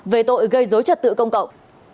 về tội gây dối trật tự công cậu